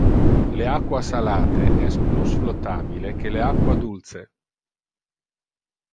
Le aqua salate es plus flottabile que le aqua dulce.